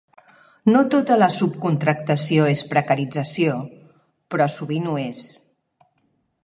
No tota la subcontractació és precarització, però sovint ho és.